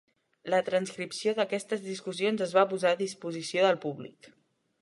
La transcripció d'aquestes discussions es va posar a disposició del públic.